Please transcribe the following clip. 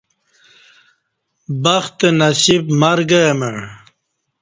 بخت نصیب مرگہ مع